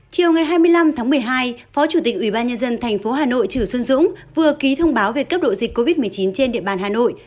chiều ngày hai mươi năm tháng một mươi hai phó chủ tịch ubnd tp hà nội trừ xuân dũng vừa ký thông báo về cấp độ dịch covid một mươi chín trên địa bàn hà nội